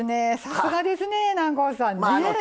さすがですね南光さんねえ。